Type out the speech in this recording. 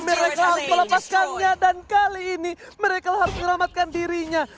mary axel melepaskannya dan kali ini mary axel harus meramatkan dirinya